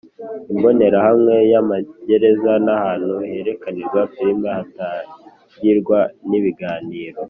Imbonerahamwe ya Amagereza n ahantu herekaniwe filimi hatangirwa n ibiganiro